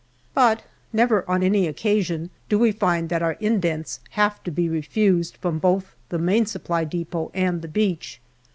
But never on any occasion do we find that our indents have to be refused from both the Main Supply depot and the beach.